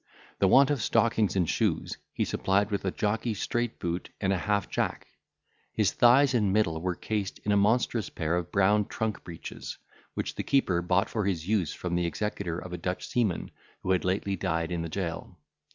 The want of stockings and shoes he supplied with a jockey straight boot and an half jack. His thighs and middle were cased in a monstrous pair of brown trunk breeches, which the keeper bought for his use from the executor of a Dutch seaman who had lately died in the jail.